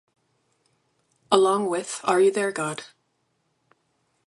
Along with Are You There God?